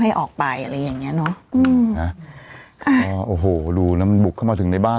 ให้ออกไปอะไรอย่างเงี้เนอะอืมนะอ่าโอ้โหดูนะมันบุกเข้ามาถึงในบ้าน